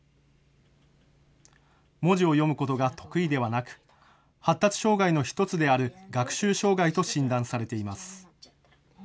文字を読むことが得意ではなく発達障害の１つである学習障害と診断されています。